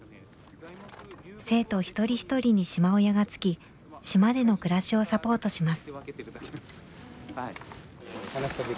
生徒一人一人に島親が付き島での暮らしをサポートします。